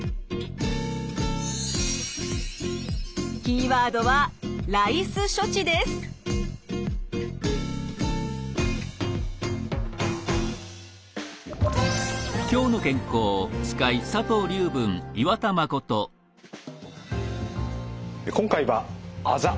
キーワードは今回はあざ。